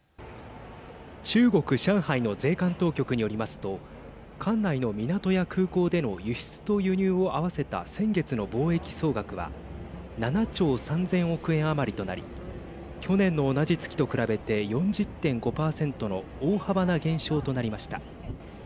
中国、上海の税関当局によりますと管内の港や空港での輸出と輸入を合わせた先月の貿易総額は７兆３０００億円余りとなり去年の同じ月と比べて４０．５％の大幅な減少となりました。